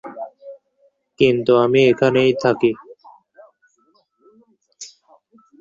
কিন্তু আমি এখানেই থাকি!